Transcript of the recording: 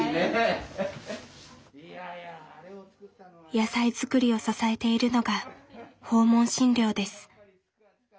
野菜づくりを支えているのが訪問診療です。